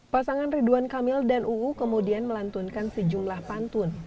pasangan ridwan kamil dan uu kemudian melantunkan sejumlah pantun